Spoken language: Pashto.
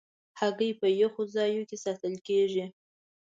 هګۍ په یخو ځایونو کې ساتل کېږي.